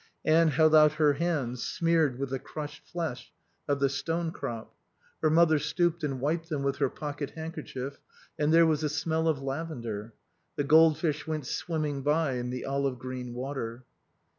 Anne held out her hands smeared with the crushed flesh of the stonecrop; her mother stooped and wiped them with her pockethandkerchief, and there was a smell of lavender. The goldfish went swimming by in the olive green water.